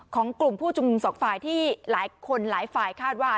ของกลุ่มผู้ชุมนุมสองฝ่ายที่หลายคนหลายฝ่ายคาดว่า